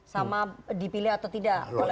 sama dipilih atau tidak